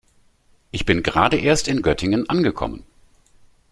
Ich bin gerade erst in Göttingen angekommen